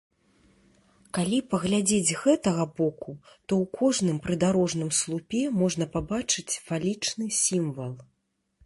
Калі паглядзець з гэтага боку, то ў кожным прыдарожным слупе можна пабачыць фалічны сімвал.